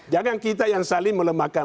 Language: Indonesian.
jangan kita yang saling melemahkan